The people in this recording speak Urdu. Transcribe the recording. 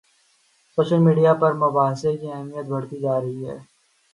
سوشل میڈیا پر مباحثے کی اہمیت بڑھتی جا رہی ہے۔